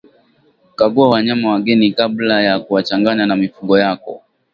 Kagua wanyama wageni kabla ya kuwachanganya na mifugo yako